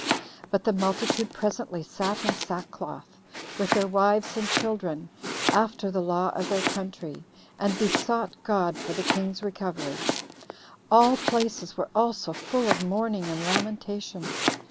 But the multitude presently sat in sackcloth, with their wives and children, after the law of their country, and besought God for the king's recovery. All places were also full of mourning and lamentation.